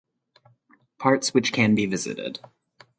Parts which can be visited